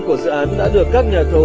của dự án đã được các nhà thầu